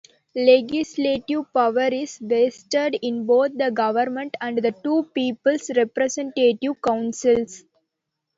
Legislative power is vested in both the government and the two People's Representative Councils.